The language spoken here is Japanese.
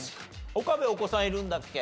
岡部お子さんいるんだっけ？